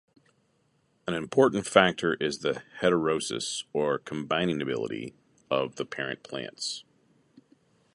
An important factor is the heterosis or "combining ability" of the parent plants.